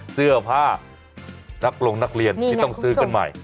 เสื้อผ้านักลงนักเรียนที่ต้องซื้อกันใหม่